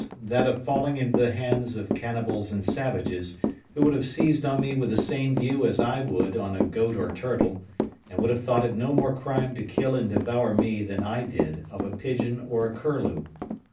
that of falling into the hands of cannibals and savages, who would have seized on me with the same view as I would on a goat or turtle; and have thought it no more crime to kill and devour me than I did of a pigeon or a curlew.